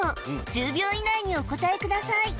１０秒以内にお答えください